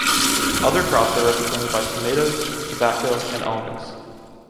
Other crops are represented by tomatoes, tobacco, and almonds.